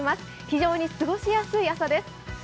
非常に過ごしやすい朝です。